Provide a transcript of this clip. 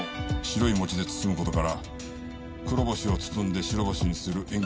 白い餅で包む事から黒星を包んで白星にする縁起物だ。